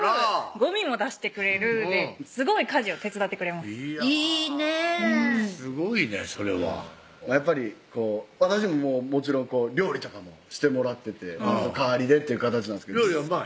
ゴミも出してくれるですごい家事を手伝ってくれますいいねぇすごいねそれはやっぱり私ももちろん料理とかもしてもらっててその代わりでという形なんですが料理うまい？